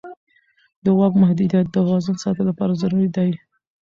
د واک محدودیت د توازن ساتلو لپاره ضروري دی